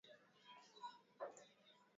Ni jukwaa la kujikomboa na kujiendeleza kiuchumi